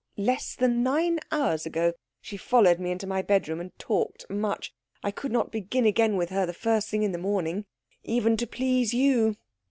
Less than nine hours ago. She followed me into my bedroom and talked much. I could not begin again with her the first thing in the morning, even to please you."